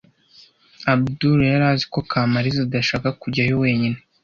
Abudul yari azi ko Kamariza adashaka kujyayo wenyine.